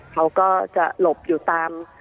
เขาก็จะหลบอยู่ตาม